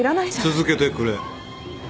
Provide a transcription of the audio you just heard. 続けてくれ。